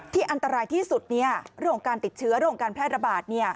ที่อันตรายที่สุดเนี่ยเรื่องการติดเชื้อเรื่องการแพร่ระบาดเนี่ย